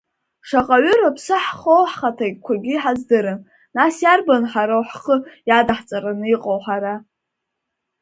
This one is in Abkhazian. Шаҟаҩы рыԥсы ҳхоу ҳхаҭақәагьы иҳаздырам, нас иарбан хароу ҳхы иадаҳҵараны иҟоу ҳара?